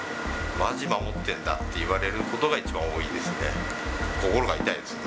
まじ守ってるんだって言われることが、一番多いですね。